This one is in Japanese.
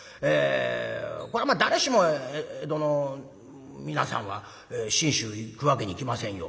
これはまあ誰しも江戸の皆さんは信州行くわけにいきませんよ。